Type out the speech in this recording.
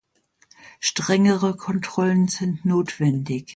Strengere Kontrollen sind notwendig.